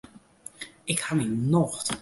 Ik ha myn nocht.